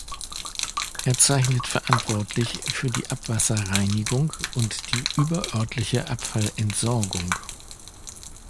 Er zeichnet verantwortlich für die Abwasserreinigung und die überörtliche Abfallentsorgung.